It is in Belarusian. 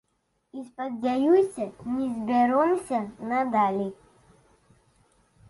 І, спадзяюся, не збяромся надалей.